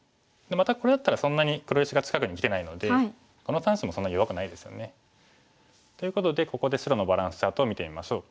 またこれだったらそんなに黒石が近くにきてないのでこの３子もそんなに弱くないですよね。ということでここで白のバランスチャートを見てみましょう。